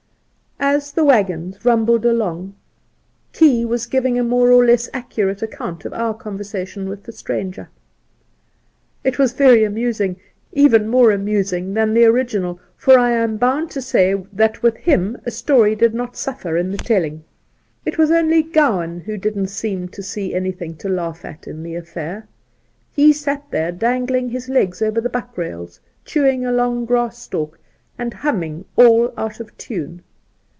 As the waggons rumbled along Key was giving a more or less accurate account of our conversation with the stranger. It was very amusing, even more amusing than the original, for I am bound to say that with him a story did not suffer in the telling. It was only Go wan who didn't seem to see anything to laugh at in the affair. He sat there dangling his legs over the buck rails, chewing a long grass stalk, and humming all out of tune.